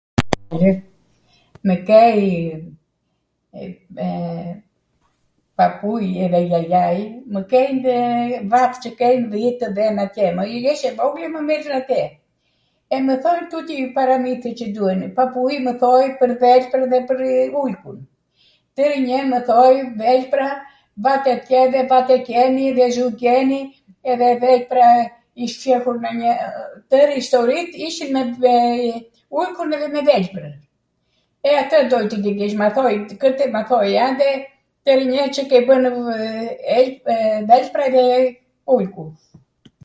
Mw kej papui edhe jajai im, mw kejnw vash qw ken tw vej atje, jesh e vogwl edhe mw mirrnw atje, e mw thoj tuti paramithe qw duajn. Papui mw thoj pwr dhelprwn dhe pwr ujkun, twrwnjw mw thoj dhelpra vate atje dhe vate qeni dhe zu qeni edhe dhelpra ish qepur nw njw ... twrw istorit ishin me ujkun edhe me dhelprwn. E ate doj tw gjigjesh ma thoj kwtw, ma thoj ande, twrwnjw Cw kej bwnw dhelpra edhe ujku.